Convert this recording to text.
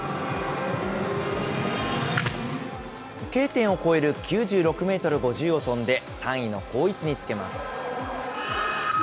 Ｋ点を超える９６メートル５０を飛んで、３位の好位置につけます。